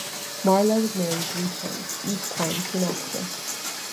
Marlowe was married three times, each time to an actress.